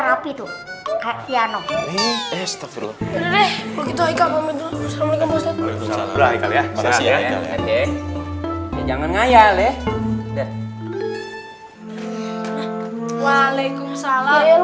aduh hai kak